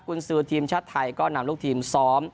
คุณซื้อทีมชาติไทยก็นำลูกทีมซ้อม